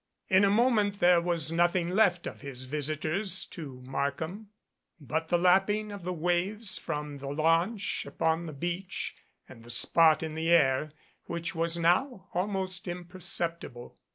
In a moment there was nothing left of his visitors to Markham but the lapping oi the waves from the launch upon the beach and the spot in the air which was now almost imperceptible.